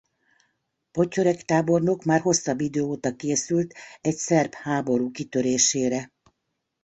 Potiorek tábornok már hosszabb idő óta készült egy szerb háború kitörésére.